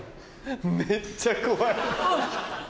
めっちゃ怖い。